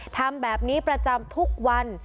ทำแบบนี้ประจำทุกวัน